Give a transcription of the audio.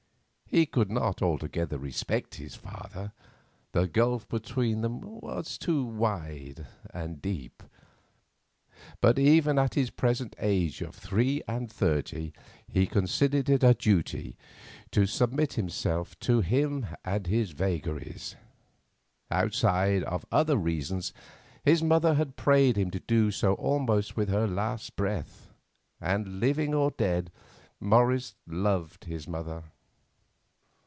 He could not altogether respect his father; the gulf between them was too wide and deep. But even at his present age of three and thirty he considered it a duty to submit himself to him and his vagaries. Outside of other reasons, his mother had prayed him to do so almost with her last breath, and, living or dead, Morris loved his mother.